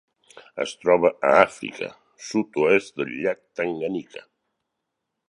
Es troba a Àfrica: sud-oest del llac Tanganyika.